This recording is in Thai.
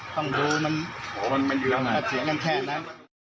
ต้องดูมันแค่เจียงงั้นแค่นั้น